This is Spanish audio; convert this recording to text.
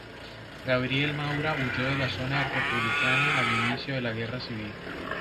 Gabriel Maura huyó de la zona republicana al inicio de la Guerra civil.